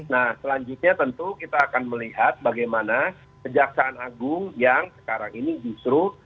nah selanjutnya tentu kita akan melihat bagaimana kejaksaan agung yang sekarang ini justru